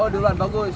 oh duluan bagus